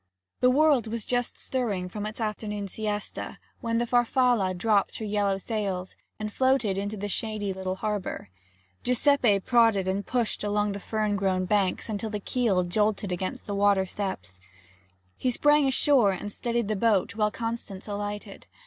The world was just stirring from its afternoon siesta, when the Farfalla dropped her yellow sails and floated into the shady little harbour. Giuseppe prodded and pushed along the fern grown banks until the keel jolted against the water steps. He sprang ashore and steadied the boat while Constance alighted.